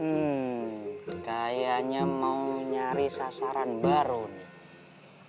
hmm kayaknya mau nyari sasaran baru nih